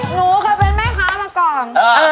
หนูเคยเป็นแม่ค้ามาก่อน